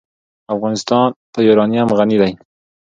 افغانستان په یورانیم غني دی.